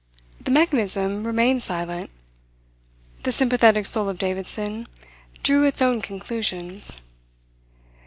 The mechanism remained silent. The sympathetic soul of Davidson drew its own conclusions.